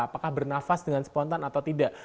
apakah bernafas dengan spontan atau tidak